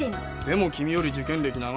でも君より受験歴長いぜ。